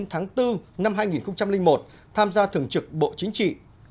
tháng ba năm một nghìn chín trăm chín mươi chín đến tháng bốn năm hai nghìn một tham gia thường trực bộ chính trị